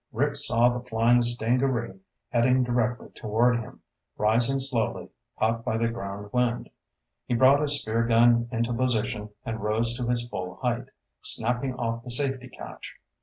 Rick saw the flying stingaree heading directly toward him, rising slowly, caught by the ground wind. He brought his spear gun into position and rose to his full height, snapping off the safety catch.